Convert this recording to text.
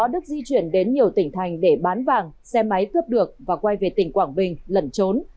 đức di chuyển đến nhiều tỉnh thành để bán vàng xe máy cướp được và quay về tỉnh quảng bình lẩn trốn